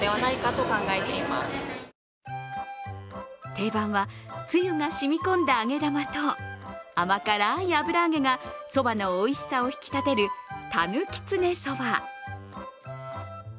定番は、つゆが染み込んだ揚げ玉と甘辛い油揚げがそばのおいしさを引き立てるたぬきつねそば。